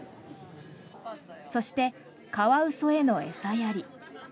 そして、カワウソへの餌やり。